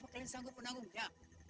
apakah kalian sanggup menanggungnya